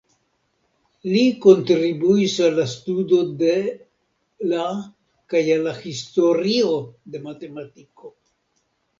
Li kontribuis al la studo de la kaj al la historio de matematiko.